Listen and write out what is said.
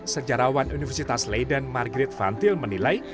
sejarawan universitas leiden margret van til menilai